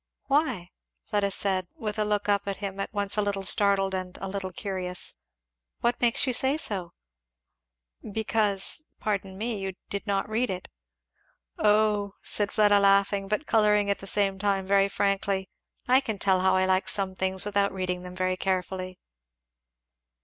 "Why?" Fleda said, with a look up at him at once a little startled and a little curious; "what makes you say so?" "Because pardon me you did not read it." "Oh," said Fleda laughing, but colouring at the same time very frankly, "I can tell how I like some things without reading them very carefully."